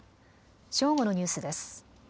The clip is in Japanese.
正午のニュースです。